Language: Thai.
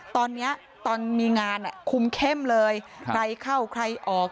ตอนนี้ตอนมีงานคุมเข้มเลยใครเข้าใครออก